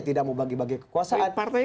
tidak mau bagi bagi kekuasaan partai